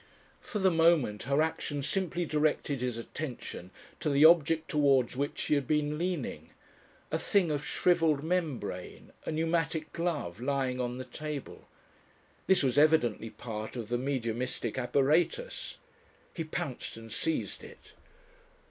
For the moment her action simply directed his attention to the object towards which she had been leaning, a thing of shrivelled membrane, a pneumatic glove, lying on the table. This was evidently part of the mediumistic apparatus. He pounced and seized it.